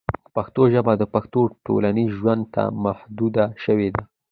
پښتو ژبه د پښتنو ټولنیز ژوند ته محدوده شوې ده.